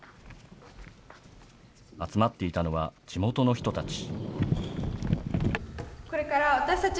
集まっていたのは地元の人たち。